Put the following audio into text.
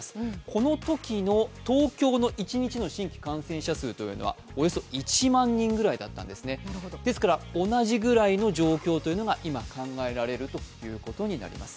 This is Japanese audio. このときの東京の一日の新規感染者数というのはおよそ１万人ぐらいだったんですねですから同じぐらいの状況というのが、今、考えられるということになります。